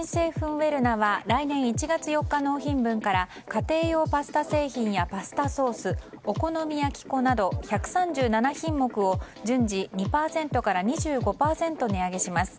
ウェルナは来年１月４日納品分から家庭用パスタ製品やパスタソースお好み焼き粉など１３７品目を順次２％から２５％値上げします。